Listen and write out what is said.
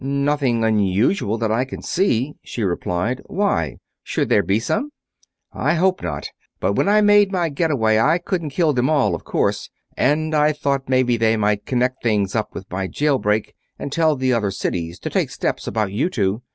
"Nothing unusual that I can see," she replied. "Why? Should there be some?" "I hope not, but when I made my getaway I couldn't kill them all, of course, and I thought maybe they might connect things up with my jail break and tell the other cities to take steps about you two.